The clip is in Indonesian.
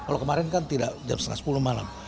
kalau kemarin kan tidak jam setengah sepuluh malam